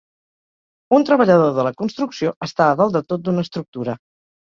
Un treballador de la construcció està a dalt de tot d'una estructura.